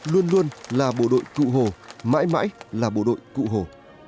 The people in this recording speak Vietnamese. luôn luôn là bộ đội cụ hồ mãi mãi là bộ đội cụ hồ